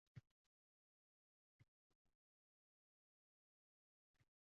Oymoma esa bu sehrli qo'shiqni yana bir eshitgisi kelgandek, viuallaq to'xtab qolar